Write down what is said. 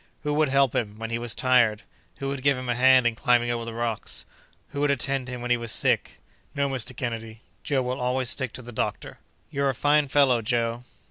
Who would help him, when he was tired? Who would give him a hand in climbing over the rocks? Who would attend him when he was sick? No, Mr. Kennedy, Joe will always stick to the doctor!" "You're a fine fellow, Joe!"